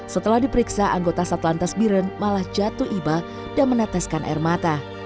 setelah diperiksa anggota satlantas biren malah jatuh iba dan meneteskan air mata